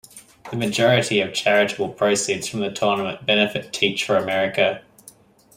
The majority of the charitable proceeds from the tournament benefit Teach for America.